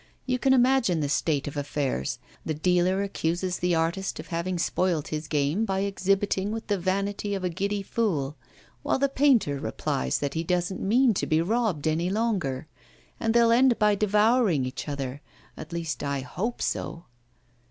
You can imagine the state of affairs; the dealer accuses the artist of having spoilt his game by exhibiting with the vanity of a giddy fool; while the painter replies that he doesn't mean to be robbed any longer; and they'll end by devouring each other at least, I hope so.